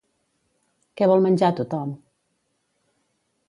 Què vol menjar tothom?